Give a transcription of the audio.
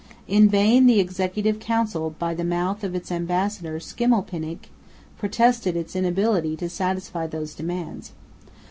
In vain the Executive Council, by the mouth of its ambassador, Schimmelpenninck, protested its inability to satisfy those demands.